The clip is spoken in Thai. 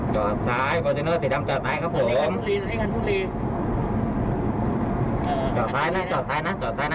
จอดซ้ายสีดำจอดใต้ครับผมนี่คันทุกรีจอดซ้ายนะจอดซ้ายนะจอดซ้ายนะ